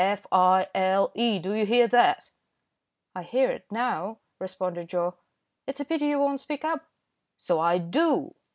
F. I. L. E. Do you hear that?" "I hear it now," responded Joe. "It's a pity you won't speak up." "So I do."